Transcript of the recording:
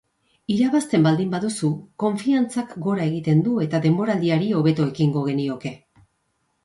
Irabazten baldin baduzu konfiantzak gora egiten du eta denboraldiari hobeto ekingo genioke.